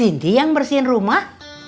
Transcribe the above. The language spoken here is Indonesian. sinti yang bersihin rumah